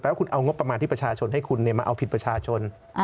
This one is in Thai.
คุณเอางบประมาณที่ประชาชนให้คุณมาเอาผิดประชาชน